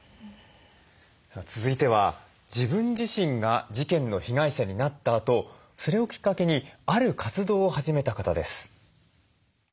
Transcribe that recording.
続いては自分自身が事件の被害者になったあとそれをきっかけにある活動を始めた方です。